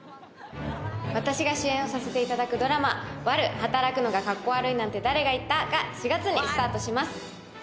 私が主演をさせていただくドラマ『悪女働くのがカッコ悪いなんて誰が言った？』が４月にスタートします。